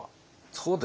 そうですね。